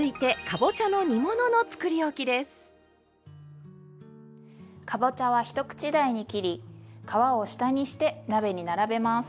かぼちゃは一口大に切り皮を下にして鍋に並べます。